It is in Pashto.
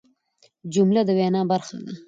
جمله د وینا برخه ده.